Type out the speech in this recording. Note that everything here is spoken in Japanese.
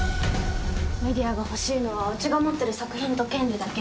ＭＥＤＩＡが欲しいのはうちが持ってる作品と権利だけ。